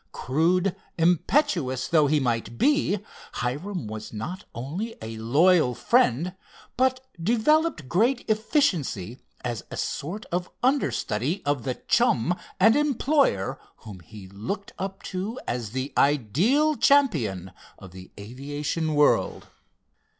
Crude, impetuous though he might be, Hiram was not only a loyal friend, but developed great efficiency as a sort of understudy of the chum and employer whom he looked up to as the ideal champion of the aviation world.